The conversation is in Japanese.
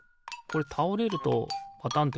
これたおれるとパタン